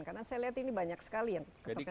karena saya lihat ini banyak sekali yang terkena imbas